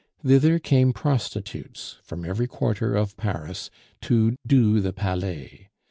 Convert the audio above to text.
Thither came prostitutes from every quarter of Paris to "do the Palais."